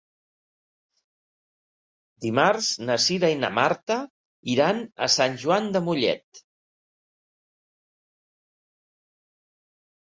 Dimarts na Cira i na Marta iran a Sant Joan de Mollet.